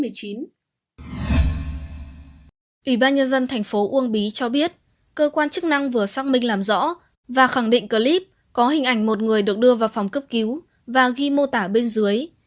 ủy ban nhân dân tp ub cho biết cơ quan chức năng vừa xác minh làm rõ và khẳng định clip có hình ảnh một người được đưa vào phòng cấp cứu và ghi mô tả bên dưới